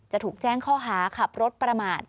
จะถูกแจ้งข้อหาขับรถประมาท